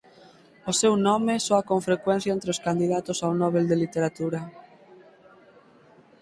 O seu nome soa con frecuencia entre os candidatos ao Nobel de Literatura.